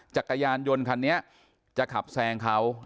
จักรยานยนต์คันนี้จะขับแซงเขา